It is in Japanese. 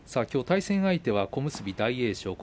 きょうは対戦相手は小結大栄翔。